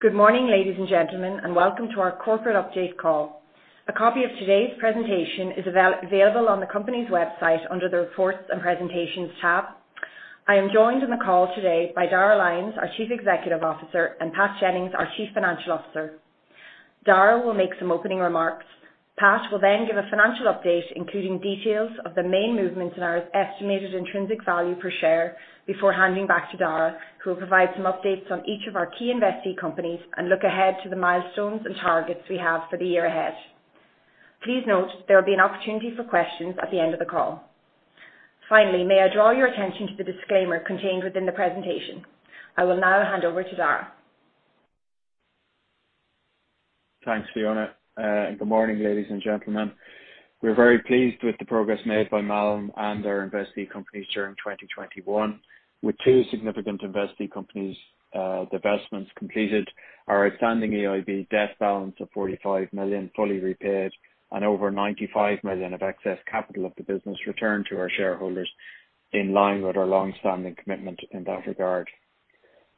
Good morning, ladies and gentlemen, and welcome to our corporate update call. A copy of today's presentation is available on the company's website under the Reports and Presentations tab. I am joined on the call today by Darragh Lyons, our Chief Executive Officer, and Pat Jennings, our Chief Financial Officer. Dara will make some opening remarks. Pat will then give a financial update, including details of the main movements in our estimated intrinsic value per share before handing back to Dara, who will provide some updates on each of our key investee companies and look ahead to the milestones and targets we have for the year ahead. Please note there will be an opportunity for questions at the end of the call. Finally, may I draw your attention to the disclaimer contained within the presentation. I will now hand over to Dara. Thanks, Fiona. Good morning, ladies and gentlemen. We're very pleased with the progress made by Malin and our investee companies during 2021. With two significant investee companies, divestments completed, our outstanding EIB debt balance of 45 million fully repaid and over 95 million of excess capital of the business returned to our shareholders in line with our long-standing commitment in that regard.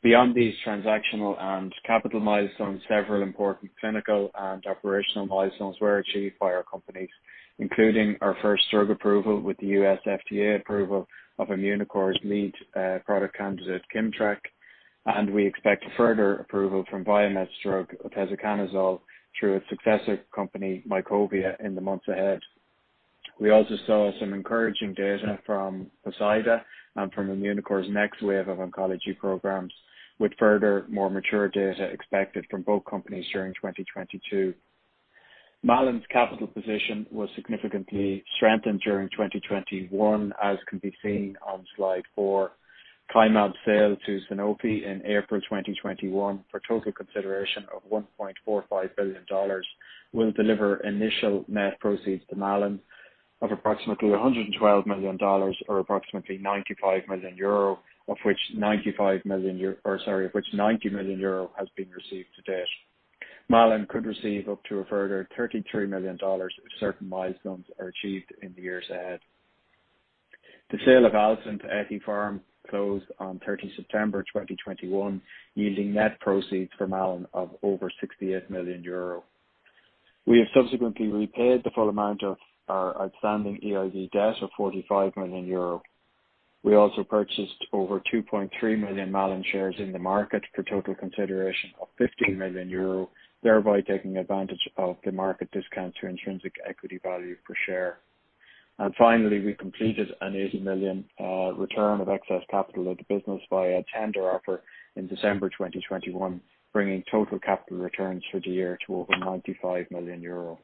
Beyond these transactional and capital milestones, several important clinical and operational milestones were achieved by our companies, including our first drug approval with the U.S. FDA approval of Immunocore's lead product candidate, Kimmtrak, and we expect further approval of VIVJOA (oteseconazole) through its successive company, Mycovia, in the months ahead. We also saw some encouraging data from Poseida and from Immunocore's next wave of oncology programs, with further more mature data expected from both companies during 2022. Malin's capital position was significantly strengthened during 2021, as can be seen on slide four. Kymab sale to Sanofi in April 2021 for total consideration of $1.45 billion will deliver initial net proceeds to Malin of approximately $112 million or approximately 95 million euro, of which 90 million euro has been received to date. Malin could receive up to a further $33 million if certain milestones are achieved in the years ahead. The sale of Altan to Ethypharm closed on September 30, 2021, yielding net proceeds from Malin of over 68 million euro. We have subsequently repaid the full amount of our outstanding EIB debt of 45 million euro. We also purchased over 2.3 million Malin shares in the market for total consideration of 50 million euro, thereby taking advantage of the market discount to intrinsic equity value per share. Finally, we completed a 80 million return of excess capital of the business via a tender offer in December 2021, bringing total capital returns for the year to over 95 million euro.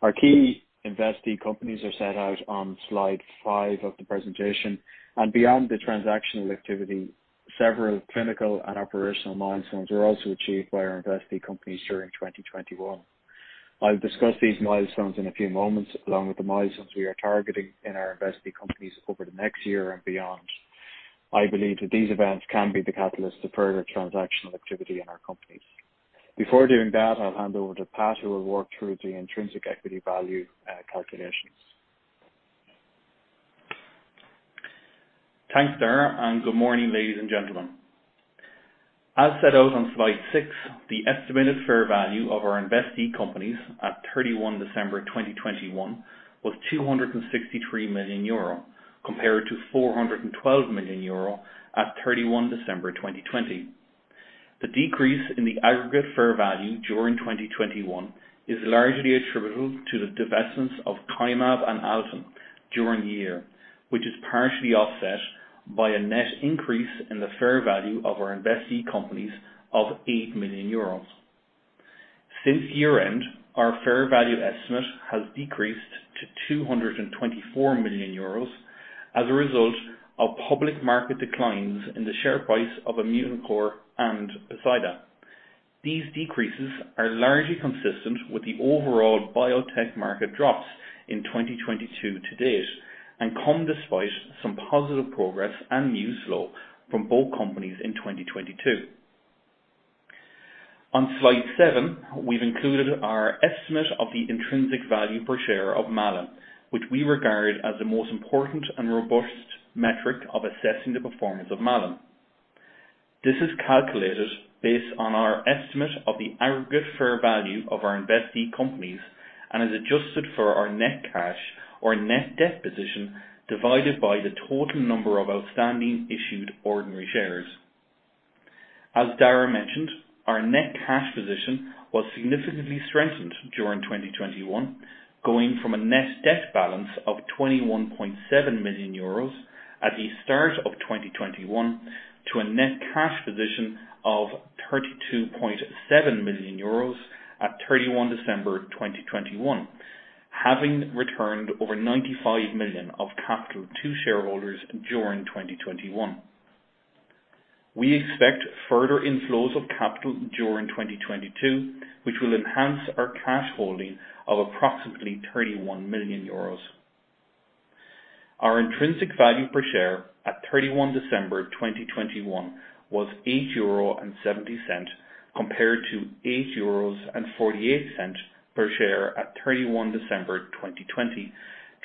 Our key investee companies are set out on slide five of the presentation. Beyond the transactional activity, several clinical and operational milestones were also achieved by our investee companies during 2021. I'll discuss these milestones in a few moments along with the milestones we are targeting in our investee companies over the next year and beyond. I believe that these events can be the catalyst to further transactional activity in our companies. Before doing that, I'll hand over to Pat, who will work through the intrinsic equity value calculations. Thanks, Darragh, and good morning, ladies and gentlemen. As set out on slide six, the estimated fair value of our investee companies at December 31, 2021 was 263 million euro compared to 412 million euro at December 31, 2020. The decrease in the aggregate fair value during 2021 is largely attributable to the divestments of Kymab and Altan during the year, which is partially offset by a net increase in the fair value of our investee companies of 8 million euros. Since year-end, our fair value estimate has decreased to 224 million euros as a result of public market declines in the share price of Immunocore and Poseida. These decreases are largely consistent with the overall biotech market drops in 2022 to date and come despite some positive progress and news flow from both companies in 2022. On slide seven, we've included our estimate of the intrinsic value per share of Malin, which we regard as the most important and robust metric of assessing the performance of Malin. This is calculated based on our estimate of the aggregate fair value of our investee companies and is adjusted for our net cash or net debt position divided by the total number of outstanding issued ordinary shares. As Darragh mentioned, our net cash position was significantly strengthened during 2021, going from a net debt balance of 21.7 million euros at the start of 2021 to a net cash position of 32.7 million euros at December 31, 2021, having returned over 95 million of capital to shareholders during 2021. We expect further inflows of capital during 2022, which will enhance our cash holding of approximately 31 million euros. Our intrinsic value per share at December 31, 2021 was EUR 8.70 compared to 8.48 euros per share at December 31, 2020.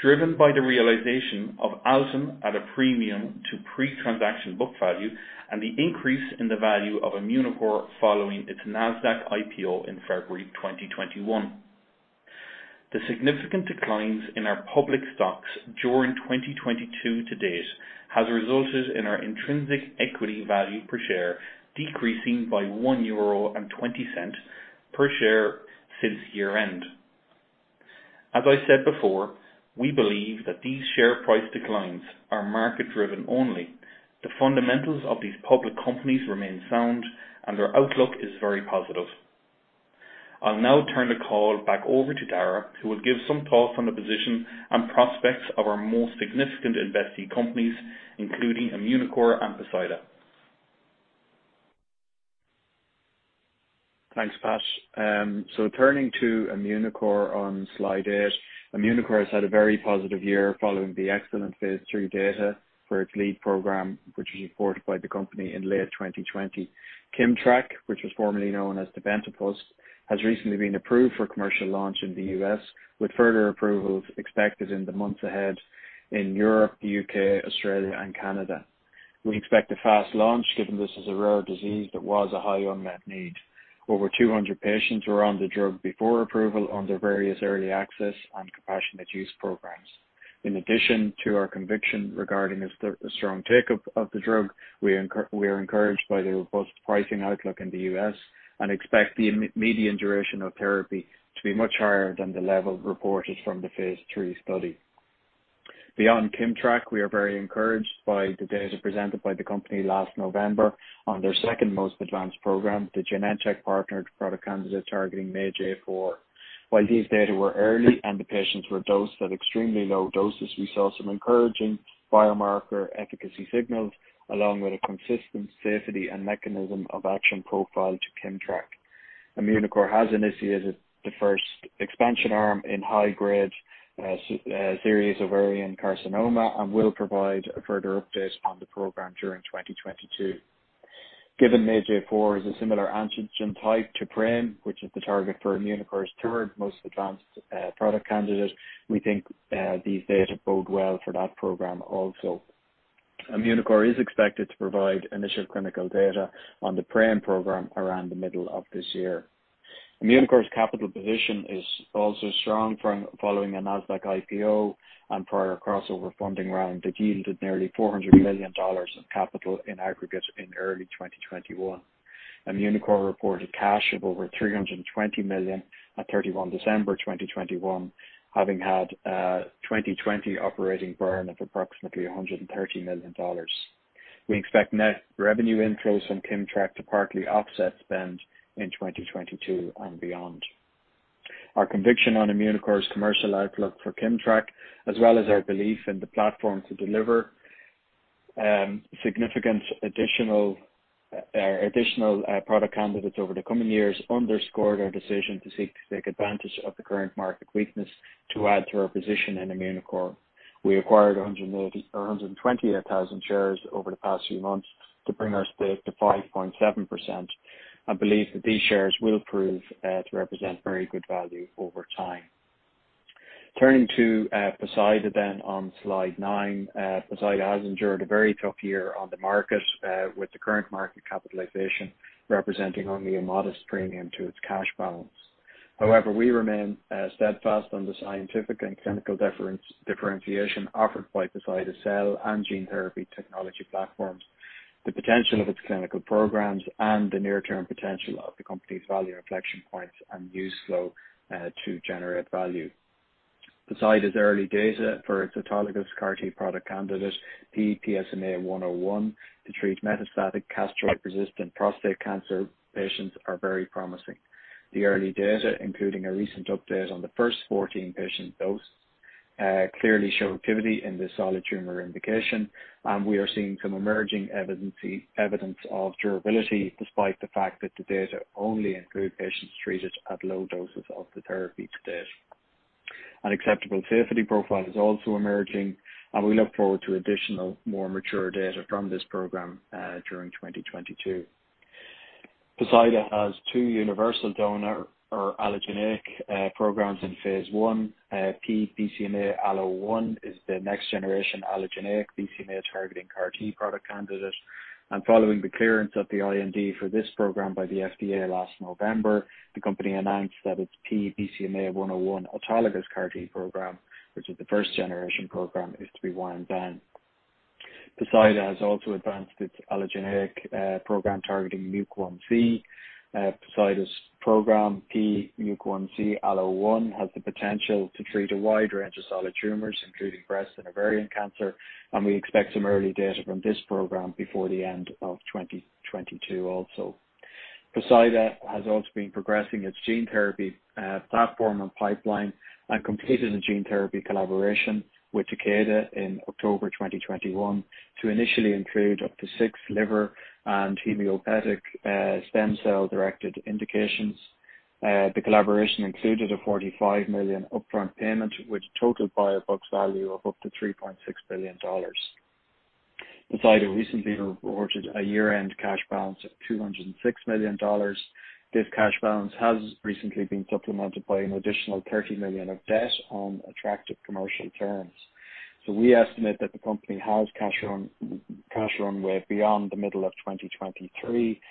Driven by the realization of Altan at a premium to pre-transaction book value and the increase in the value of Immunocore following its Nasdaq IPO in February 2021. The significant declines in our public stocks during 2022 to date has resulted in our intrinsic equity value per share decreasing by 1.20 euro per share since year-end. As I said before, we believe that these share price declines are market-driven only. The fundamentals of these public companies remain sound, and their outlook is very positive. I'll now turn the call back over to Darragh, who will give some thoughts on the position and prospects of our most significant investee companies, including Immunocore and Poseida. Thanks, Pat. Turning to Immunocore on slide eight. Immunocore has had a very positive year following the excellent Phase III data for its lead program, which was reported by the company in late 2020. Kimmtrak, which was formerly known as tebentafusp, has recently been approved for commercial launch in the U.S., with further approvals expected in the months ahead in Europe, the U.K., Australia and Canada. We expect a fast launch, given this is a rare disease that was a high unmet need. Over 200 patients were on the drug before approval under various early access and compassionate use programs. In addition to our conviction regarding a strong take up of the drug, we are encouraged by the robust pricing outlook in the U.S. and expect the median duration of therapy to be much higher than the level reported from the Phase III study. Beyond Kimmtrak, we are very encouraged by the data presented by the company last November on their second most advanced program, the Genentech partnered product candidate targeting MAGE-A4. While these data were early and the patients were dosed at extremely low doses, we saw some encouraging biomarker efficacy signals, along with a consistent safety and mechanism of action profile to Kimmtrak. Immunocore has initiated the first expansion arm in high-grade serous ovarian carcinoma and will provide a further update on the program during 2022. Given MAGE-A4 is a similar antigen type to PRAME, which is the target for Immunocore's third most advanced product candidate, we think these data bode well for that program also. Immunocore is expected to provide initial clinical data on the PRAME program around the middle of this year. Immunocore's capital position is also strong from following a Nasdaq IPO and prior crossover funding round that yielded nearly $400 million of capital in aggregate in early 2021. Immunocore reported cash of over $320 million at December 31, 2021, having had 2020 operating burn of approximately $130 million. We expect net revenue inflows from Kimmtrak to partly offset spend in 2022 and beyond. Our conviction on Immunocore's commercial outlook for Kimmtrak, as well as our belief in the platform to deliver significant additional product candidates over the coming years underscored our decision to seek to take advantage of the current market weakness to add to our position in Immunocore. We acquired 128,000 shares over the past few months to bring our stake to 5.7% and believe that these shares will prove to represent very good value over time. Turning to Poseida on slide nine. Poseida has endured a very tough year on the market, with the current market capitalization representing only a modest premium to its cash balance. However, we remain steadfast on the scientific and clinical differentiation offered by Poseida's cell and gene therapy technology platforms, the potential of its clinical programs and the near-term potential of the company's value inflection points and use flow to generate value. Poseida's early data for its autologous CAR-T product candidate P-PSMA-101 to treat metastatic castration-resistant prostate cancer patients are very promising. The early data, including a recent update on the first 14 patients dosed, clearly show activity in the solid tumor indication, and we are seeing some emerging evidence of durability despite the fact that the data only include patients treated at low doses of the therapy to date. An acceptable safety profile is also emerging and we look forward to additional, more mature data from this program during 2022. Poseida has two universal donor or allogeneic programs in Phase I. P-BCMA-ALLO1 is the next generation allogeneic BCMA-targeting CAR-T product candidate. Following the clearance of the IND for this program by the FDA last November, the company announced that its P-BCMA-101 autologous CAR-T program, which is the first generation program, is to be wound down. Poseida has also advanced its allogeneic program targeting MUC1C. Poseida's program P-MUC1C-ALLO1 has the potential to treat a wide range of solid tumors, including breast and ovarian cancer, and we expect some early data from this program before the end of 2022 also. Poseida has also been progressing its gene therapy platform and pipeline and completed a gene therapy collaboration with Takeda in October 2021 to initially include up to six liver and hematopoietic stem cell-directed indications. The collaboration included a $45 million upfront payment with total biobucks value of up to $3.6 billion. Poseida recently reported a year-end cash balance of $206 million. This cash balance has recently been supplemented by an additional $30 million of debt on attractive commercial terms. We estimate that the company has cash runway beyond the middle of 2023,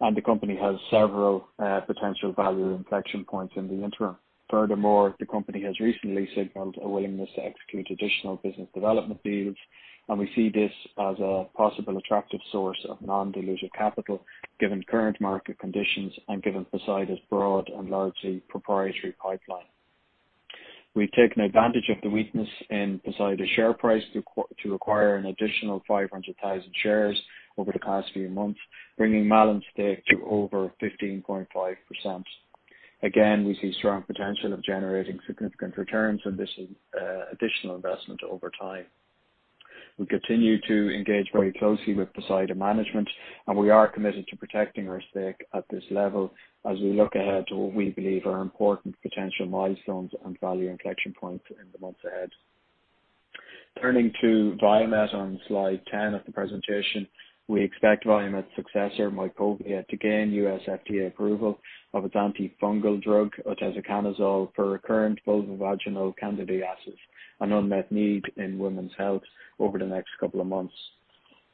and the company has several potential value inflection points in the interim. Furthermore, the company has recently signaled a willingness to execute additional business development deals, and we see this as a possible attractive source of non-dilutive capital, given current market conditions and given Poseida's broad and largely proprietary pipeline. We've taken advantage of the weakness in Poseida's share price to acquire an additional 500,000 shares over the past few months, bringing Malin's stake to over 15.5%. Again, we see strong potential of generating significant returns on this additional investment over time. We continue to engage very closely with Poseida management, and we are committed to protecting our stake at this level as we look ahead to what we believe are important potential milestones and value inflection points in the months ahead. Turning to Viamet on slide 10 of the presentation. We expect Viamet's successor, Mycovia, to gain U.S. FDA approval of its antifungal drug, oteseconazole, for recurrent vulvovaginal candidiasis, an unmet need in women's health over the next couple of months.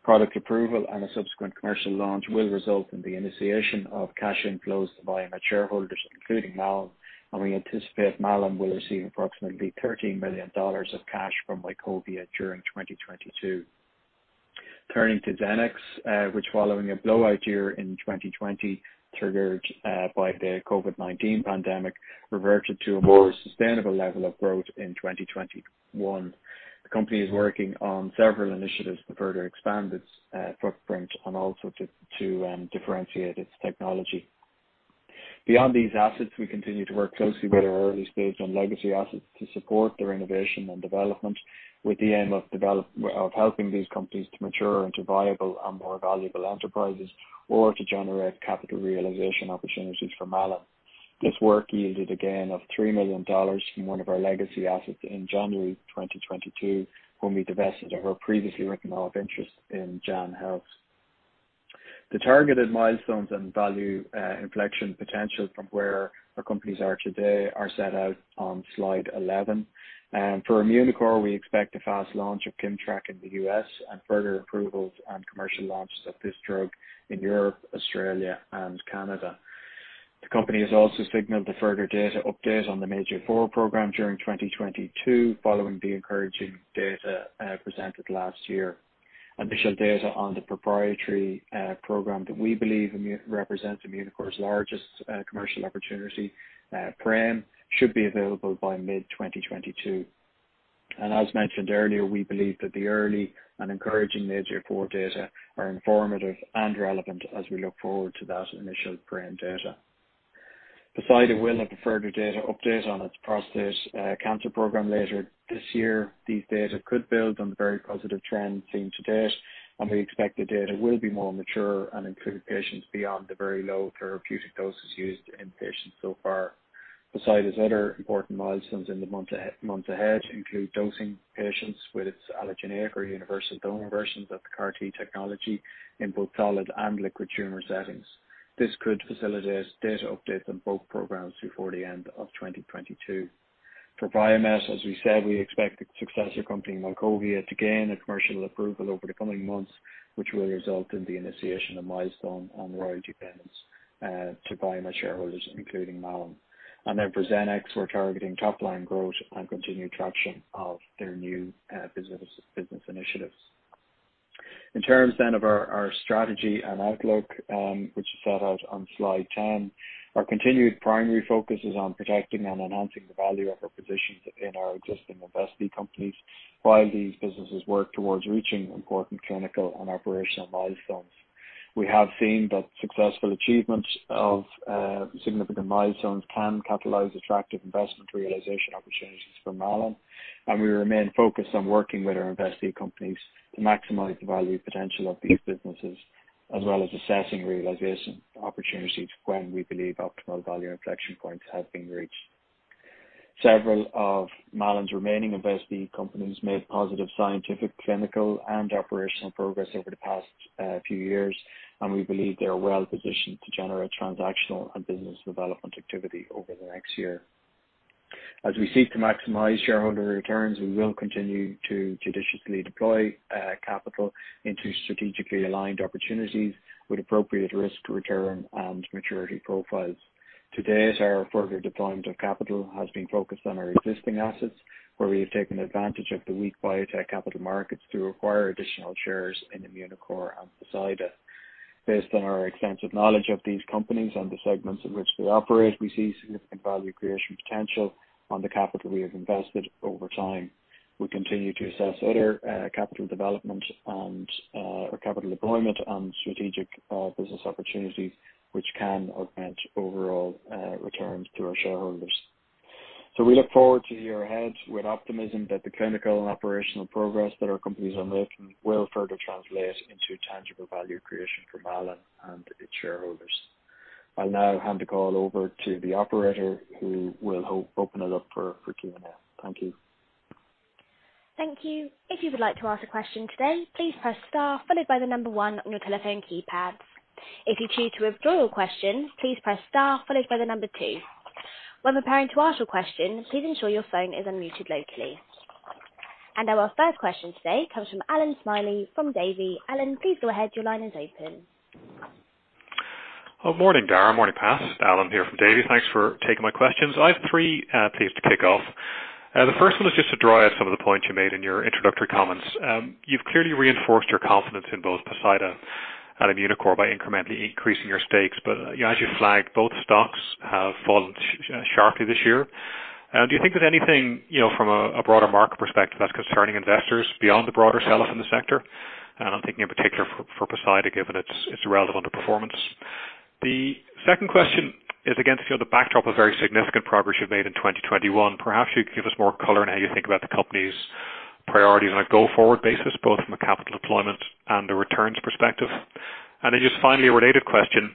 Product approval and a subsequent commercial launch will result in the initiation of cash inflows to Viamet shareholders, including Malin, and we anticipate Malin will receive approximately $13 million of cash from Mycovia during 2022. Turning to Xenex, which following a blowout year in 2020, triggered by the COVID-19 pandemic, reverted to a more sustainable level of growth in 2021. The company is working on several initiatives to further expand its footprint and also to differentiate its technology. Beyond these assets, we continue to work closely with our early-stage and legacy assets to support their innovation and development with the aim of helping these companies to mature into viable and more valuable enterprises or to generate capital realization opportunities for Malin. This work yielded a gain of $3 million from one of our legacy assets in January 2022 when we divested our previously written off interest in Jaan Health. The targeted milestones and value inflection potential from where our companies are today are set out on slide 11. For Immunocore, we expect a fast launch of Kimmtrak in the U.S. and further approvals and commercial launches of this drug in Europe, Australia and Canada. The company has also signaled the further data update on the MAGE-A4 program during 2022 following the encouraging data presented last year. Initial data on the proprietary program that we believe represents Immunocore's largest commercial opportunity, PRAME, should be available by mid-2022. As mentioned earlier, we believe that the early and encouraging MAGE-A4 data are informative and relevant as we look forward to that initial PRAME data. Poseida will have a further data update on its prostate cancer program later this year. These data could build on the very positive trend seen to date, and we expect the data will be more mature and include patients beyond the very low therapeutic doses used in patients so far. Poseida's other important milestones in the months ahead include dosing patients with its allogeneic or universal donor versions of the CAR-T technology in both solid and liquid tumor settings. This could facilitate data updates on both programs before the end of 2022. For Viamet, as we said, we expect the successor company, Mycovia, to gain a commercial approval over the coming months, which will result in the initiation of milestones and royalty payments to Viamet shareholders, including Malin. For Xenex, we're targeting top-line growth and continued traction of their new business initiatives. In terms of our strategy and outlook, which is set out on slide 10, our continued primary focus is on protecting and enhancing the value of our positions in our existing investee companies while these businesses work towards reaching important clinical and operational milestones. We have seen that successful achievements of significant milestones can catalyze attractive investment realization opportunities for Malin, and we remain focused on working with our investee companies to maximize the value potential of these businesses, as well as assessing realization opportunities when we believe optimal value inflection points have been reached. Several of Malin's remaining investee companies made positive scientific, clinical and operational progress over the past few years, and we believe they are well positioned to generate transactional and business development activity over the next year. As we seek to maximize shareholder returns, we will continue to judiciously deploy capital into strategically aligned opportunities with appropriate risk return and maturity profiles. To date, our further deployment of capital has been focused on our existing assets, where we have taken advantage of the weak biotech capital markets to acquire additional shares in Immunocore and Poseida. Based on our extensive knowledge of these companies and the segments in which they operate, we see significant value creation potential on the capital we have invested over time. We continue to assess other capital development and or capital deployment and strategic business opportunities which can augment overall returns to our shareholders. We look forward to the year ahead with optimism that the clinical and operational progress that our companies are making will further translate into tangible value creation for Malin and its shareholders. I'll now hand the call over to the operator who will open it up for Q&A. Thank you. Now our first question today comes from Alan Smyth from Davy. Alan, please go ahead. Your line is open. Oh, morning, Darragh. Morning, Pat. Alan here from Davy. Thanks for taking my questions. I have three, please to kick off. The first one was just to draw out some of the points you made in your introductory comments. You've clearly reinforced your confidence in both Poseida and Immunocore by incrementally increasing your stakes. But, you know, as you flagged, both stocks have fallen sharply this year. Do you think there's anything, you know, from a broader market perspective that's concerning investors beyond the broader sell-off in the sector? I'm thinking in particular for Poseida, given its relative underperformance. The second question is, again, if you know the backdrop of very significant progress you've made in 2021, perhaps you could give us more color on how you think about the company's priorities on a go-forward basis, both from a capital deployment and a returns perspective. Just finally, a related question.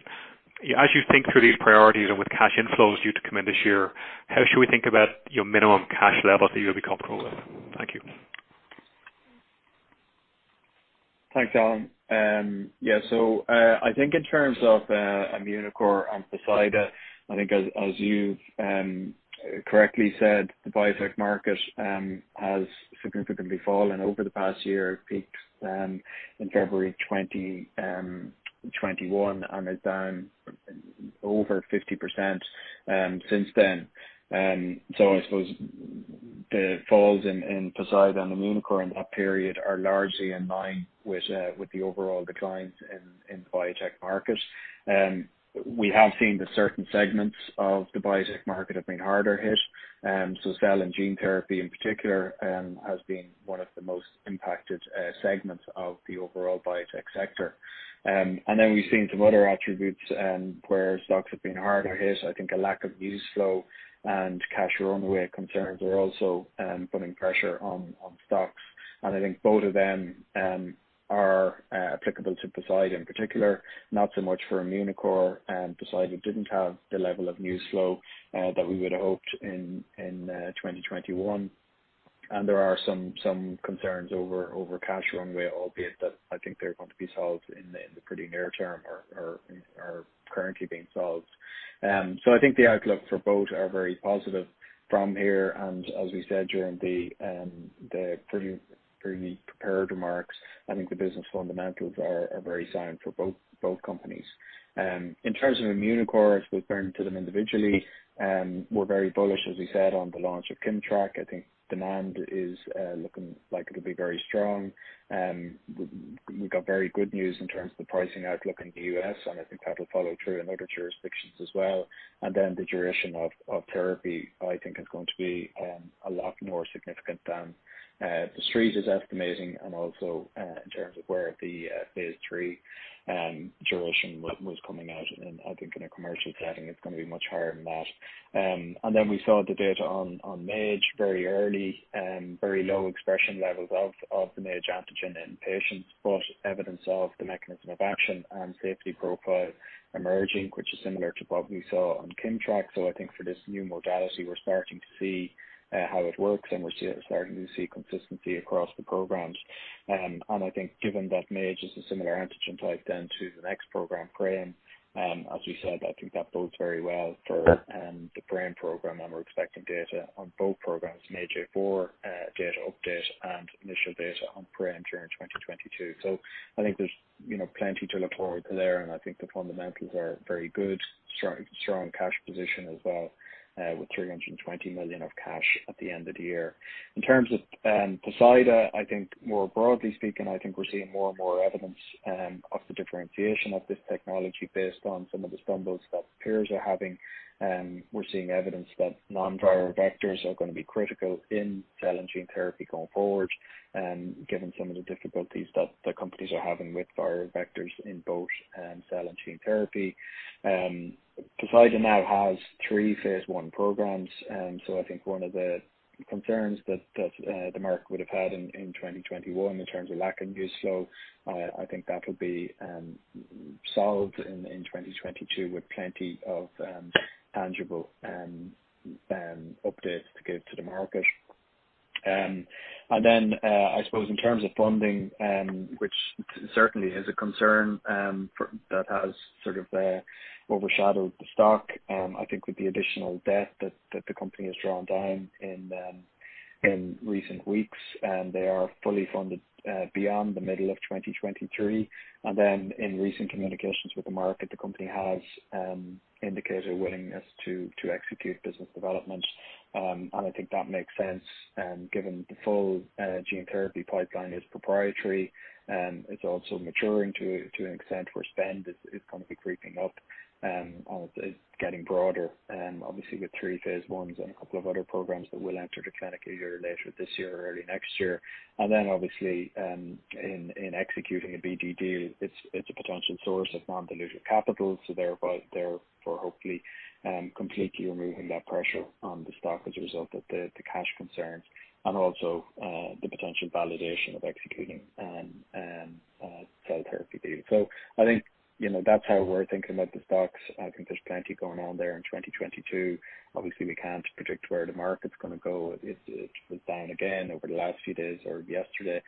As you think through these priorities and with cash inflows due to come in this year, how should we think about your minimum cash levels that you'll be comfortable with? Thank you. Thanks, Alan. Yeah. I think in terms of Immunocore and Poseida, I think as you've correctly said, the biotech market has significantly fallen over the past year. It peaked in February 2021 and is down over 50% since then. I suppose the falls in Poseida and Immunocore in that period are largely in line with the overall declines in the biotech market. We have seen that certain segments of the biotech market have been harder hit. Cell and gene therapy in particular has been one of the most impacted segments of the overall biotech sector. Then we've seen some other attributes where stocks have been harder hit. I think a lack of news flow and cash runway concerns are also putting pressure on stocks. I think both of them are applicable to Poseida in particular. Not so much for Immunocore. Poseida didn't have the level of news flow that we would've hoped in 2021. There are some concerns over cash runway, albeit that I think they're going to be solved in the pretty near term or are currently being solved. I think the outlook for both are very positive from here. As we said during the prepared remarks, I think the business fundamentals are very sound for both companies. In terms of Immunocore, as we've learned about them individually, we're very bullish, as we said, on the launch of Kimmtrak. I think demand is looking like it'll be very strong. We've got very good news in terms of the pricing outlook in the U.S., and I think that'll follow through in other jurisdictions as well. The duration of therapy I think is going to be a lot more significant than the Street is estimating. Also, in terms of where the Phase III duration was coming out. I think in a commercial setting it's gonna be much higher than that. We saw the data on MAGE very early, very low expression levels of the MAGE antigen in patients, but evidence of the mechanism of action and safety profile emerging, which is similar to what we saw on Kimmtrak. I think for this new modality, we're starting to see how it works and we're starting to see consistency across the programs. I think given that MAGE-A4 is a similar antigen type then to the next program, PRAME, as we said, I think that bodes very well for the PRAME program. We're expecting data on both programs, MAGE-A4 data update and initial data on PRAME during 2022. I think there's, you know, plenty to look forward to there. I think the fundamentals are very good. Strong cash position as well, with 320 million of cash at the end of the year. In terms of Poseida, I think more broadly speaking, I think we're seeing more and more evidence of the differentiation of this technology based on some of the stumbles that peers are having. We're seeing evidence that non-viral vectors are gonna be critical in cell and gene therapy going forward, given some of the difficulties that the companies are having with viral vectors in both cell and gene therapy. Poseida now has three Phase I programs. I think one of the concerns that the market would have had in 2021 in terms of lack of news flow, I think that'll be solved in 2022 with plenty of tangible updates to give to the market. I suppose in terms of funding, which certainly is a concern for that has sort of overshadowed the stock, I think with the additional debt that the company has drawn down in recent weeks, they are fully funded beyond the middle of 2023. In recent communications with the market, the company has indicated a willingness to execute business development. I think that makes sense, given the full gene therapy pipeline is proprietary. It's also maturing to an extent where spend is gonna be creeping up. It's getting broader, obviously with three phase I's and a couple of other programs that will enter the clinic either later this year or early next year. Then obviously, in executing a BD deal, it's a potential source of non-dilutive capital. Thereby, therefore hopefully, completely removing that pressure on the stock as a result of the cash concerns and also, the potential validation of executing, cell therapy deals. I think, you know, that's how we're thinking about the stocks. I think there's plenty going on there in 2022. Obviously, we can't predict where the market's gonna go. It's down again over the last few days or yesterday.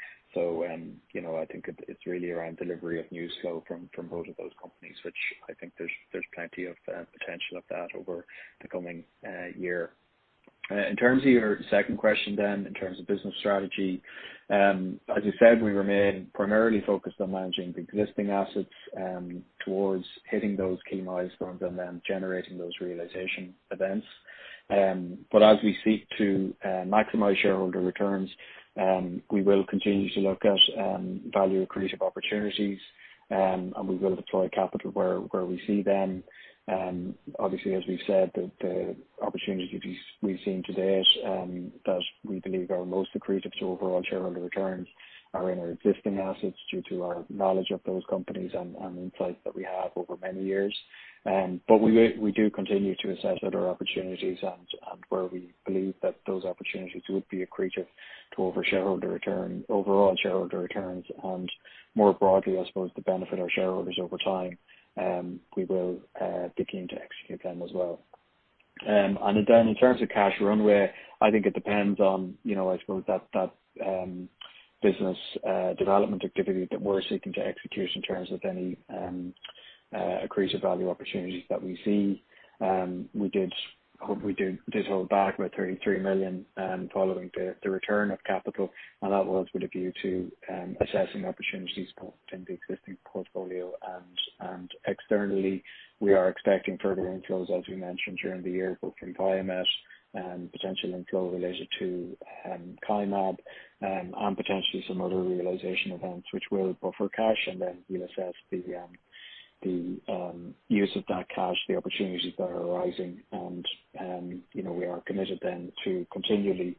You know, I think it's really around delivery of news flow from both of those companies, which I think there's plenty of potential of that over the coming year. In terms of your second question then, in terms of business strategy, as you said, we remain primarily focused on managing the existing assets towards hitting those key milestones and then generating those realization events. As we seek to maximize shareholder returns, we will continue to look at value accretive opportunities, and we will deploy capital where we see them. Obviously, as we've said, the opportunities we've seen to date that we believe are most accretive to overall shareholder returns are in our existing assets due to our knowledge of those companies and insights that we have over many years. We do continue to assess other opportunities and where we believe that those opportunities would be accretive to overall shareholder returns and more broadly, I suppose the benefit to our shareholders over time. We will be keen to execute them as well. In terms of cash runway, I think it depends on, you know, I suppose that business development activity that we're seeking to execute in terms of any accretive value opportunities that we see. We did hold back about 33 million following the return of capital, and that was with a view to assessing opportunities within the existing portfolio. Externally we are expecting further inflows, as we mentioned during the year, both from Viamet and potential inflow related to Kymab, and potentially some other realization events which will buffer cash and then we assess the use of that cash, the opportunities that are arising. You know, we are committed then to continually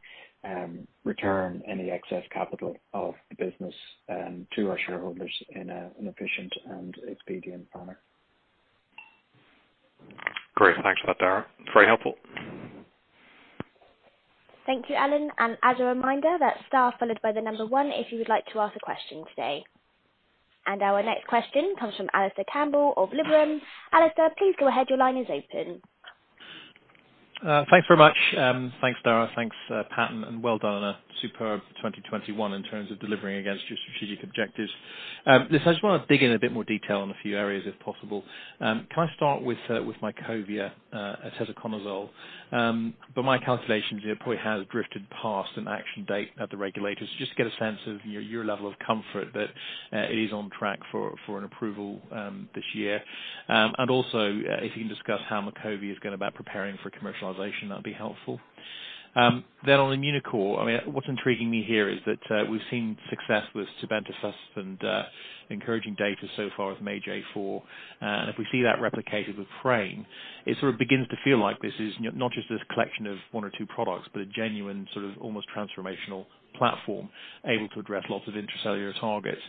return any excess capital of the business to our shareholders in an efficient and expedient manner. Great. Thanks for that, Darragh. It's very helpful. Thank you, Alan. As a reminder, that's star followed by one if you would like to ask a question today. Our next question comes from Alistair Campbell of Liberum. Alistair, please go ahead. Your line is open. Thanks very much. Thanks Darragh. Thanks, Pat, and well done on a superb 2021 in terms of delivering against your strategic objectives. Listen, I just want to dig in a bit more detail on a few areas if possible. Can I start with Mycovia as oteseconazole. By my calculations it probably has drifted past an action date at the regulators. Just to get a sense of your level of comfort that it is on track for an approval this year. And also, if you can discuss how Mycovia has gone about preparing for commercialization, that'd be helpful. On Immunocore, I mean, what's intriguing me here is that we've seen success with tebentafusp and encouraging data so far with MAGE-A4. If we see that replicated with PRAME, it sort of begins to feel like this is not just this collection of one or two products, but a genuine sort of almost transformational platform able to address lots of intracellular targets.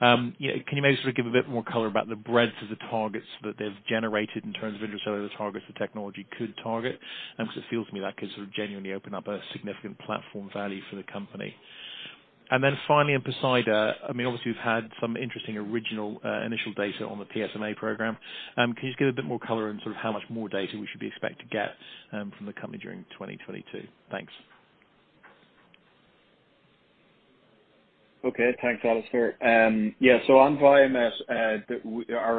You know, can you maybe sort of give a bit more color about the breadth of the targets that they've generated in terms of intracellular targets the technology could target? 'Cause it feels to me that could sort of genuinely open up a significant platform value for the company. Then finally, on Poseida, I mean, obviously you've had some interesting original initial data on the PSMA program. Can you just give a bit more color on sort of how much more data we should expect to get from the company during 2022? Thanks. Okay. Thanks Alistair. Yeah, our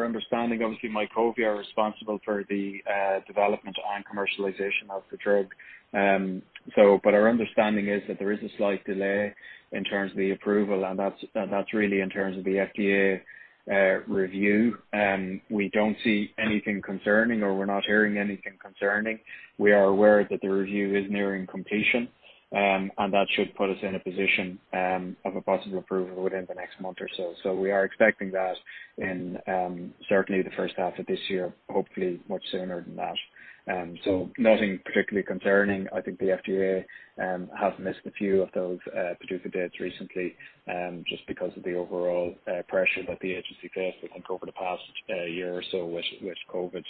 understanding, obviously Mycovia are responsible for the development and commercialization of the drug. Our understanding is that there is a slight delay in terms of the approval, and that's really in terms of the FDA review. We don't see anything concerning or we're not hearing anything concerning. We are aware that the review is nearing completion, and that should put us in a position of a possible approval within the next month or so. We are expecting that in certainly the first half of this year, hopefully much sooner than that. Nothing particularly concerning. I think the FDA have missed a few of those PDUFA dates recently just because of the overall pressure that the agency faced, I think, over the past year or so with COVID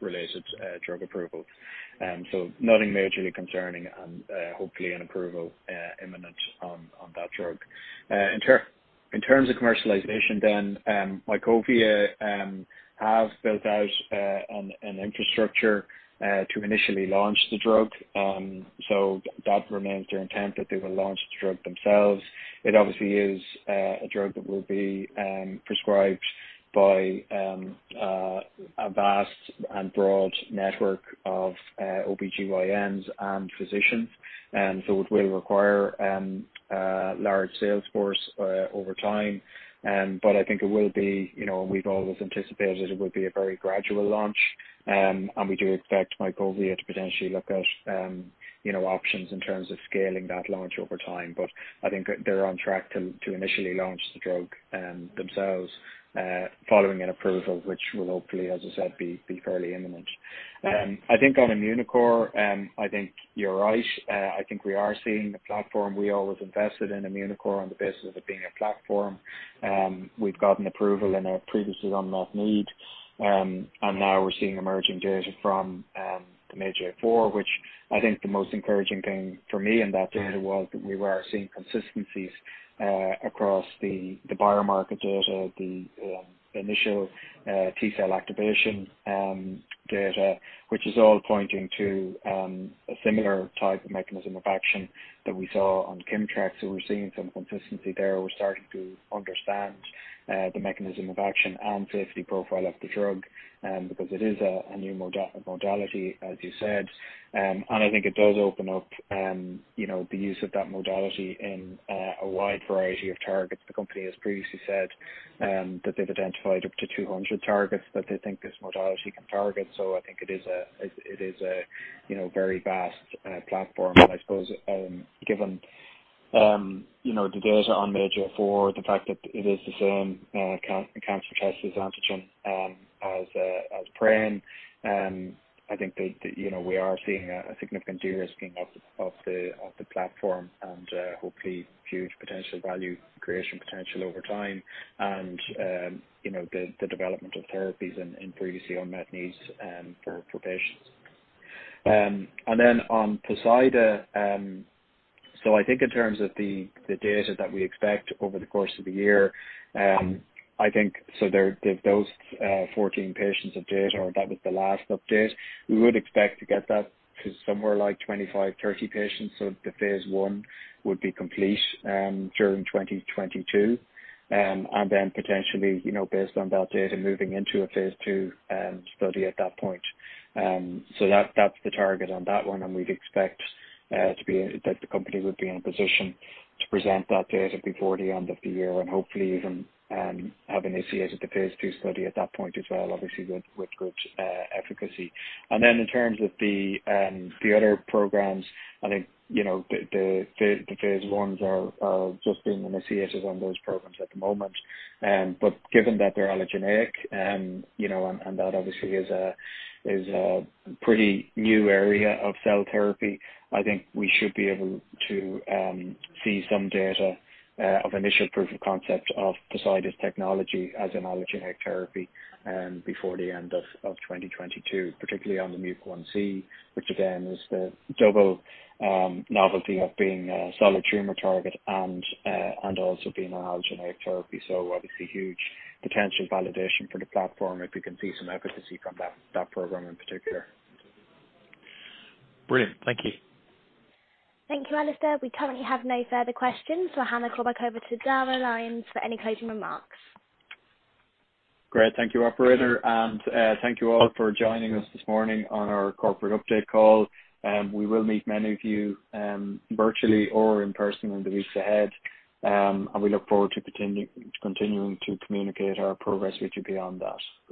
related drug approval. Nothing majorly concerning and hopefully an approval imminent on that drug. In terms of commercialization, Mycovia have built out an infrastructure to initially launch the drug. That remains their intent that they will launch the drug themselves. It obviously is a drug that will be prescribed by a vast and broad network of OBGYNs and physicians. It will require a large sales force over time. I think it will be, you know, we've always anticipated it would be a very gradual launch. We do expect Mycovia to potentially look at, you know, options in terms of scaling that launch over time. I think they're on track to initially launch the drug themselves following an approval, which will hopefully, as I said, be fairly imminent. I think on Immunocore, I think you're right. I think we are seeing the platform. We always invested in Immunocore on the basis of it being a platform. We've gotten approval in a previously unmet need. Now we're seeing emerging data from the MAGE-A4, which I think the most encouraging thing for me in that data was that we were seeing consistencies across the biomarker data, the initial T-cell activation data, which is all pointing to a similar type of mechanism of action that we saw on Kimmtrak. We're seeing some consistency there. We're starting to understand the mechanism of action and safety profile of the drug because it is a new modality, as you said. I think it does open up you know the use of that modality in a wide variety of targets. The company has previously said that they've identified up to 200 targets that they think this modality can target. I think it is a, you know, very vast platform. I suppose given you know the data on MAGE-A4, the fact that it is the same cancer-testis antigen as PRAME. I think that you know we are seeing a significant de-risking of the platform and hopefully huge potential value creation potential over time. You know the development of therapies in previously unmet needs for patients. Then on Poseida I think in terms of the data that we expect over the course of the year I think those 14 patients of data or that was the last update. We would expect to get that to somewhere like 25-30 patients. The phase I would be complete during 2022. Potentially, you know, based on that data, moving into a Phase II study at that point. That's the target on that one, and we'd expect the company would be in a position to present that data before the end of the year and hopefully even have initiated the Phase II study at that point as well, obviously with good efficacy. In terms of the other programs, I think, you know, the Phase I's are just being initiated on those programs at the moment. Given that they're allogeneic, you know, and that obviously is a pretty new area of cell therapy. I think we should be able to see some data of initial proof of concept of Poseida's technology as an allogeneic therapy before the end of 2022, particularly on the MUC1C, which again is the double novelty of being a solid tumor target and also being an allogeneic therapy. Obviously huge potential validation for the platform if we can see some efficacy from that program in particular. Brilliant. Thank you. Thank you, Alistair. We currently have no further questions. I'll hand the call back over to Darragh Lyons for any closing remarks. Great. Thank you, operator. Thank you all for joining us this morning on our corporate update call. We will meet many of you, virtually or in person in the weeks ahead. We look forward to continuing to communicate our progress with you beyond that.